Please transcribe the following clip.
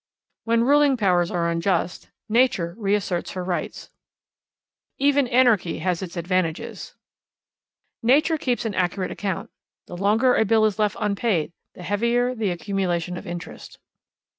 When ruling powers are unjust, nature reasserts her rights. Even anarchy has its advantages. Nature keeps an accurate account. ... The longer a bill is left unpaid, the heavier the accumulation of interest.